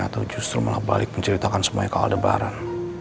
atau justru malah balik menceritakan semuanya ke aldebaran